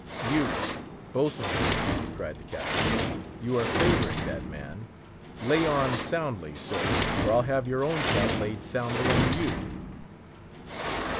"You, boatswain's mate," cried the Captain, "you are favouring that man! Lay on soundly, sir, or I'll have your own cat laid soundly on you."